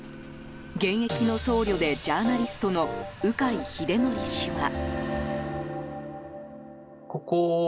現役の僧侶でジャーナリストの鵜飼秀徳氏は。